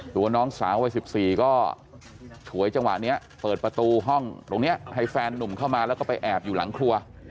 ตัวน้องสาววัย๑๔ก็ฉวยจังหวะนี้เปิดประตูห้องตรงนี้ให้แฟนนุ่มเข้ามาแล้วก็ไปแอบอยู่หลังครัว